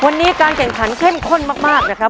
วันนี้การแข่งขันเข้มข้นมากนะครับ